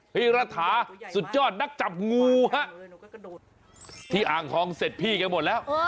พี่รัฐาสุดยอดนักจับงูฮะที่อ่างทองเสร็จพี่แกหมดแล้ว